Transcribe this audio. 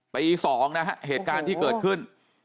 ตี๒นะฮะเหตุการณ์ที่เกิดขึ้น